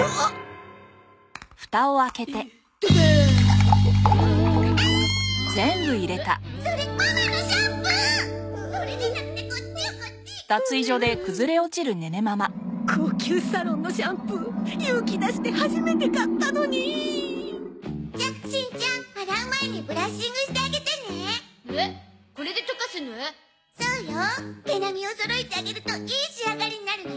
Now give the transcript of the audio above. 毛並みをそろえてあげるといい仕上がりになるのよ！